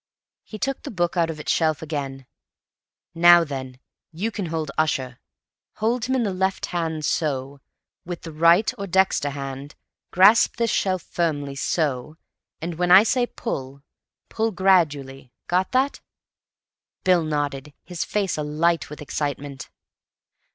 He took the book out of its shelf again. "Now then, you can hold Ussher. Hold him in the left hand—so. With the right or dexter hand, grasp this shelf firmly—so. Now, when I say 'Pull,' pull gradually. Got that?" Bill nodded, his face alight with excitement.